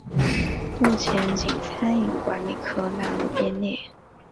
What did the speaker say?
目前仅餐饮管理科纳入编列。